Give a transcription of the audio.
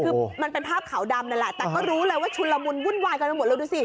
คือมันเป็นภาพขาวดำนั่นแหละแต่ก็รู้เลยว่าชุนละมุนวุ่นวายกันไปหมดเลยดูสิ